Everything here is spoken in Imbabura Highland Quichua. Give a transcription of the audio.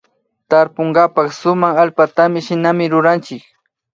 Tarpunkapak sumak allpataka shinami ruranchik